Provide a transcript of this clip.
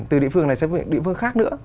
từ địa phương này sang địa phương khác nữa